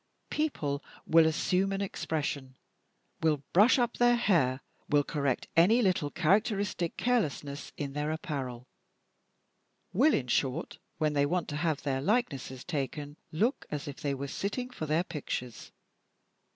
People will assume an expression, will brush up their hair, will correct any little characteristic carelessness in their apparel will, in short, when they want to have their likenesses taken, look as if they were sitting for their pictures.